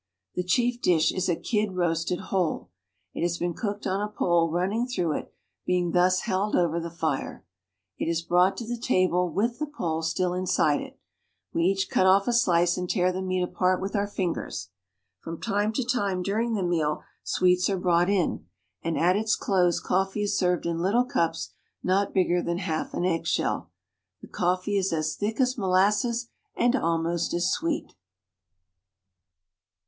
The chief dish is a kid roasted whole. It has been cooked on a pole running through it, being thus held over the fire. It is brought to the table with the pole still inside it. We each cut off a slice and tear the meat apart with our fingers. From time to time, during the meal, sweets are brought in ; and at its close coffee is served in little cups not bigger than half an eggshell. The coffee is as thick as molasses and almost as sweet.